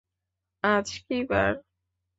আজ কী বার?